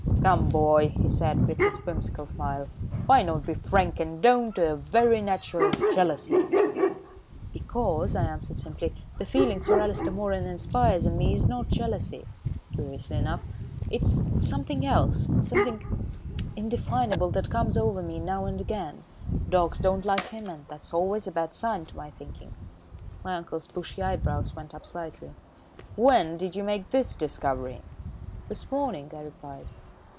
"Come, boy," he said, with his whimsical smile, "why not be frank and own to a very natural jealousy?" "Because," I answered simply, "the feeling Sir Alister Moeran inspires in me is not jealousy, curiously enough. It's something else, something indefinable that comes over me now and again. Dogs don't like him, and that's always a bad sign, to my thinking." My uncle's bushy eyebrows went up slightly. "When did you make this discovery?" "This morning," I replied.